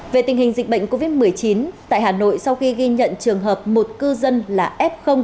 về tình hình dịch bệnh covid một mươi chín tại hà nội sau khi ghi nhận trường hợp một cư dân là f